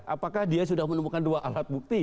apakah dia sudah menemukan dua alat bukti